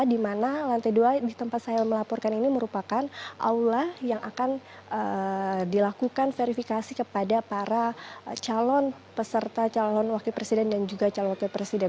di mana lantai dua di tempat saya melaporkan ini merupakan aula yang akan dilakukan verifikasi kepada para calon peserta calon wakil presiden dan juga calon wakil presiden